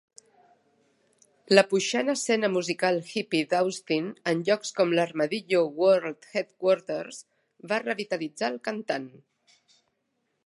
La puixant escena musical hippy d'Austin en llocs com l'Armadillo World Headquarters va revitalitzar el cantant.